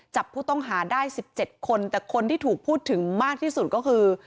จับผู้ต้องหาได้๑๗คนแต่คนที่ถูกพูดถึงมากที่สุดก็คือ